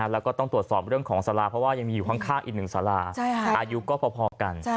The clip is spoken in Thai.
แล้วต้องตรวจสอบเรื่องของสาระเพราะว่ายังอยู่ข้างคล้าอีก๑สาระอายุก็พอพอกัน